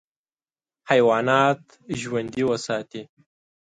حیوانات ژوندي وساتې.